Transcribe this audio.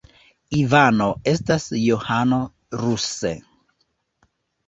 Ivano estas Johano ruse.